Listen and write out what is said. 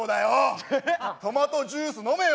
じゃあトマトジュース飲むよ！